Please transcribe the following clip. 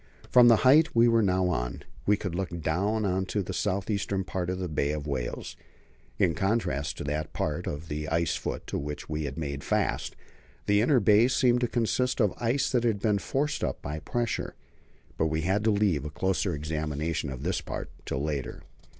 From the height we were now on, we could look down into the south eastern part of the Bay of Whales. In contrast to that part of the ice foot to which we had made fast, the inner bay seemed to consist of ice that had been forced up by pressure. But we had to leave a closer examination of this part till later.